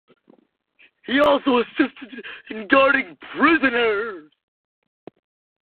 He also assisted in guarding prisoners.